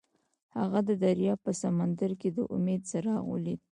هغه د دریاب په سمندر کې د امید څراغ ولید.